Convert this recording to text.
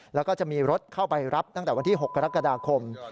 แล้วก็จะมีรถเข้าไปรับตั้งแต่วันที่๖กรกฎาคม